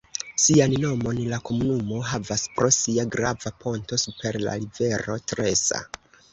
Sian nomon la komunumo havas pro sia grava ponto super la rivero Tresa.